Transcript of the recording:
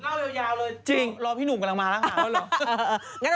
นี่เล่ายาวเลยรอพี่หนูกำลังมาแล้วค่ะ